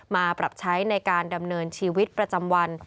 มาปรับใช้ในการดำเนินชีวิตประจำวัน